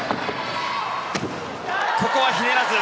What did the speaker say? ここは、ひねらず。